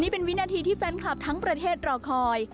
เป็นวินาทีที่แฟนคลับทั้งประเทศรอคอย